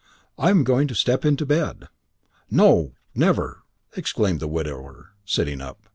"I am going to step into bed." "No never!" exclaimed the widower, sitting up.